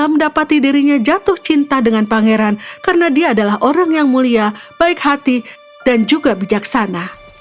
mendapati dirinya jatuh cinta dengan pangeran karena dia adalah orang yang mulia baik hati dan juga bijaksana